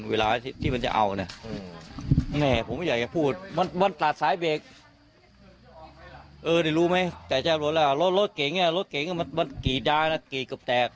เออได้รู้ไหมใจแชบรวดแล้วรถรถเก่งรถเก่งมันกรีดได้นะกรีดกับแตก